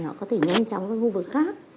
họ có thể nhanh chóng ra khu vực khác